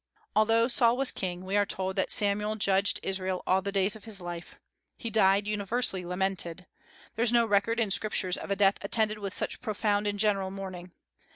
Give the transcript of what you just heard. Although Saul was king, we are told that Samuel judged Israel all the days of his life. He died universally lamented. There is no record in the Scriptures of a death attended with such profound and general mourning.